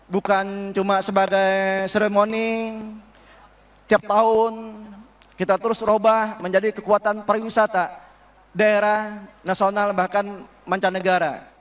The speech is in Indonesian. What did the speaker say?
bukan cuma sebagai seremony tiap tahun kita terus ubah menjadi kekuatan pariwisata daerah nasional bahkan mancanegara